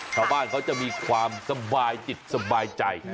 ชาวบ้านเขาจะมีความสบายจิตสบายใจ